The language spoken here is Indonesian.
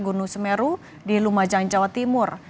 gunung semeru di lumajang jawa timur